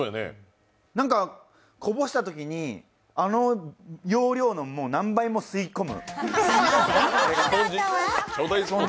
何かこぼしたときに、あの容量の何倍も吸い込む？